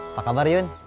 apa kabar yun